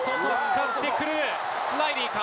ライリーか？